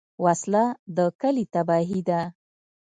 وسله د کلي تباهي ده